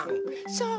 そう。